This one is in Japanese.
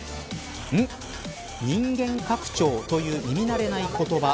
人間拡張という耳慣れない言葉。